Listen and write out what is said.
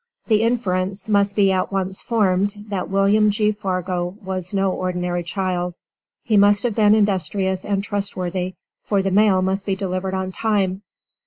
The inference must be at once formed that William G. Fargo was no ordinary child. He must have been industrious and trustworthy, for the mail must be delivered on time.